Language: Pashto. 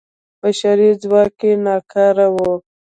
بشري ځواک یې ناکاره و.